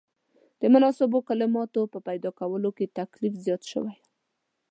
د مناسبو کلماتو په پیدا کولو کې تکلیف زیات شوی.